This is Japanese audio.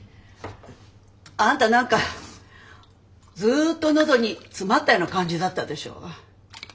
あんた何かずっと喉に詰まったような感じだったでしょ。